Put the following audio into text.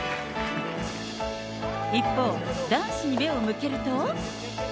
一方、男子に目を向けると。